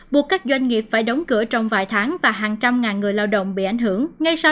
buộc các doanh nghiệp phải đóng cửa trong vài tháng và hàng trăm ngàn người lao động bị ảnh hưởng ngay sau